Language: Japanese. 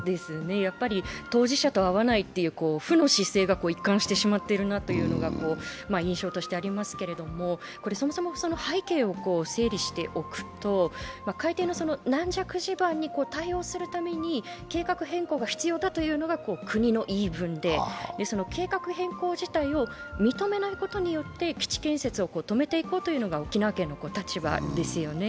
当事者と会わないという負の姿勢が一貫してしまっているなという印象としてありますけれども、そもそも背景を整理しておくと海底の軟弱地盤に対応するために計画変更が必要だというのが国の言い分で、計画変更自体を認めないことによって基地建設を止めていこうというのが沖縄県の立場ですよね。